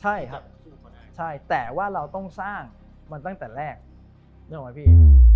ใช่ครับใช่แต่ว่าเราต้องสร้างมันตั้งแต่แรกนึกออกไหมพี่